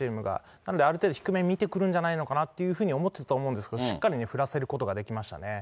なので、ある程度低め見てくるんじゃないかと思ってたと思うんですけど、しっかり振らせることができましたね。